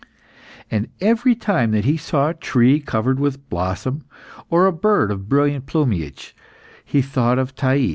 And every time that he saw a tree covered with blossom, or a bird of brilliant plumage, he thought of Thais.